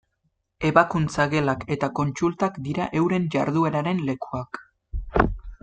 Ebakuntza-gelak eta kontsultak dira euren jardueraren lekuak.